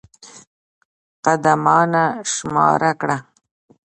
قدمانه شماره کړه.